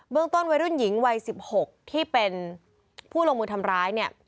ต้นวัยรุ่นหญิงวัย๑๖ที่เป็นผู้ลงมือทำร้ายเนี่ย